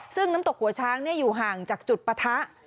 ซึ่งน้ำตกหัวช้างอยู่ห่างจากจุดปะทะ